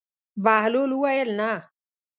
بهلول وویل: نه.